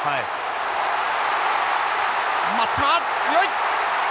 松島強い！